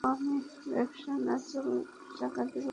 ব্যাবসা না চললে টাকা দিবো কিভাবে?